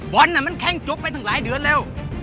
วันนั้นมันแข้งจบไปตั้งหลายเดือนแล้ว